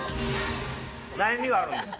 悩みがあるんですって。